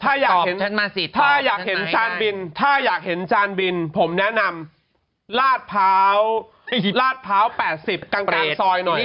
ถ้าอยากเห็นถ้าอยากเห็นชานบินถ้าอยากเห็นชานบินผมแนะนำลาดพร้าวลาดพร้าว๘๐กางเกงซอยหน่อย